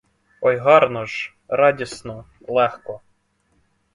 Ой гарно ж, радісно, легко!